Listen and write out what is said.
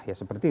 ya sama seperti